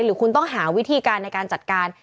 หรือคุณต้องหาวิธีการในการจัดการ